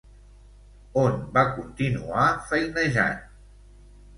On va continuar feinejant?